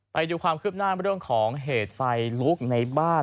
ไปดูความคืบหน้าเรื่องของเหตุไฟลุกในบ้าน